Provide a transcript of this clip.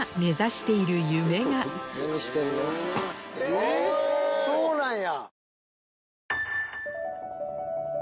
えっそうなんや！